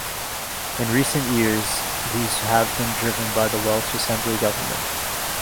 In recent years, these have been driven by the Welsh Assembly Government.